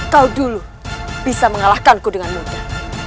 kau dulu bisa mengalahkanku dengan mudah